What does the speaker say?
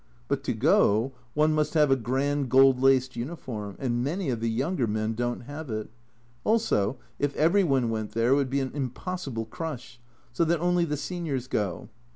But to go one must have a grand gold laced uniform, and many of the younger men don't have it, also if every one went there would be an impossible crush, so that only the seniors go.